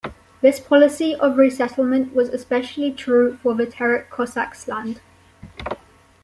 This policy of resettlement was especially true for the Terek Cossacks land.